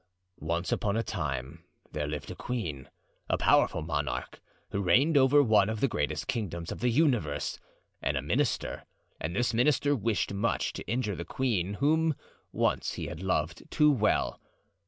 "Once upon a time there lived a queen—a powerful monarch—who reigned over one of the greatest kingdoms of the universe; and a minister; and this minister wished much to injure the queen, whom once he had loved too well.